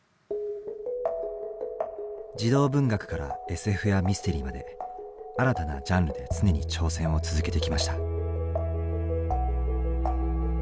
児童文学からＳＦやミステリーまで新たなジャンルで常に挑戦を続けてきました。